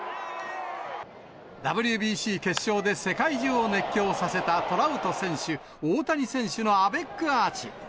ＷＢＣ決勝で世界中を熱狂させたトラウト選手、大谷選手のアベックアーチ。